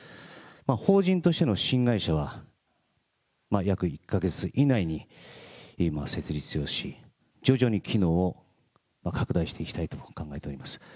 法人としての新会社は、約１か月以内に設立をし、徐々に機能を拡大していきたいと考えております。